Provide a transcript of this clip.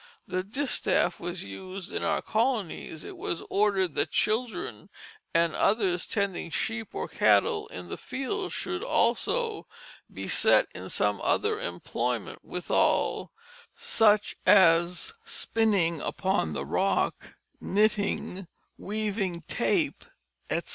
The distaff was used in our colonies; it was ordered that children and others tending sheep or cattle in the fields should also "be set to some other employment withal, such as spinning upon the rock, knitting, weaving tape, etc."